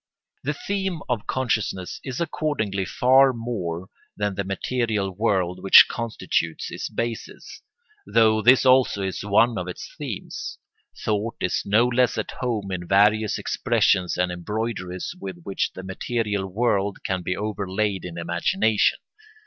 The theme of consciousness is accordingly far more than the material world which constitutes its basis, though this also is one of its themes; thought is no less at home in various expressions and embroideries with which the material world can be overlaid in imagination.